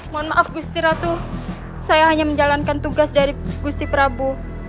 mohon maaf gusti ratu saya hanya menjalankan tugas dari gusti prabu